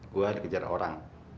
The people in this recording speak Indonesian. gue harus kejar orang